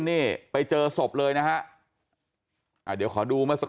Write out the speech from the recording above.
กลับไปลองกลับ